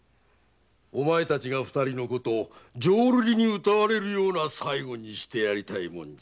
お前たち二人浄瑠璃に唄われるような最期にしてやりたいものじゃな。